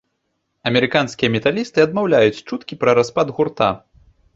Амерыканскія металісты адмаўляюць чуткі пра распад гурта.